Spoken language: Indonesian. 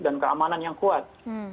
dan keamanan yang kuat